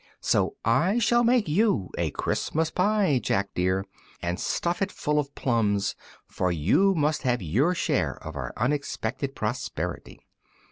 So I shall make you a Christmas pie, Jack dear, and stuff it full of plums, for you must have your share of our unexpected prosperity."